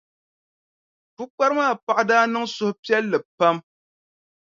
Pukpara maa paɣa daa niŋ suhupiɛlli pam.